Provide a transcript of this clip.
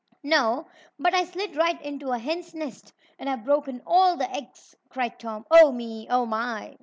"No, but I slid right into a hen's nest, and I've broken all the eggs!" cried Tom. "Oh, me! Oh, my!"